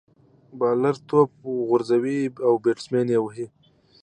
بالر توپ غورځوي، او بيټسمېن ئې وهي.